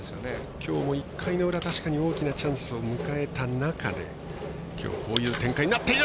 きょうも１回の裏確かに大きなチャンスを迎えた中きょうこういう展開になっている。